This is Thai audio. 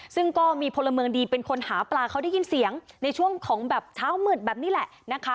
ซึ่งก็มีพลเมืองดีเป็นคนหาปลาเขาได้ยินเสียงในช่วงของแบบเช้ามืดแบบนี้แหละนะคะ